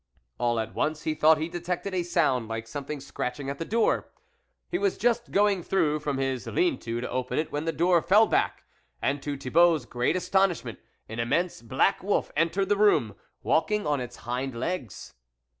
All at once he thought ha detected a sound like something scratching at the door ; he was just going through from his lean to to open it when the door fell back, and to Thibault's great aston ishment an immense black wolf entered the room, walking on its hind legs.